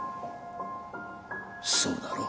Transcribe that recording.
そうだろ？